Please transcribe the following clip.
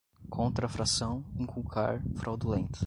contrafração, inculcar, fraudulenta